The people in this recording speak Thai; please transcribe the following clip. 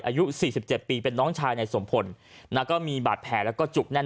อายุสี่สิบเจ็ดปีเป็นน้องชายในสมพลนะก็มีบาดแผลแล้วก็จุกแน่น